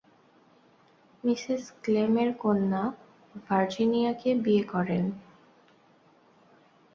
Mrs ক্লেম-এর কন্যা ভার্জিনিয়াকে বিয়ে করেন।